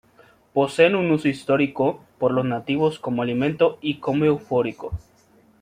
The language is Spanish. Poseen un uso histórico por los nativos como alimento y como eufórico.